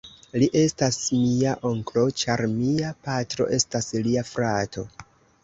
Li estas mia onklo, ĉar mia patro estas lia frato.